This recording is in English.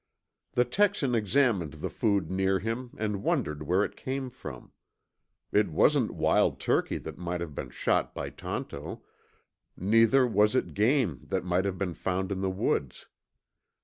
The Texan examined the food near him and wondered where it came from. It wasn't wild turkey that might have been shot by Tonto, neither was it game that might have been found in the woods.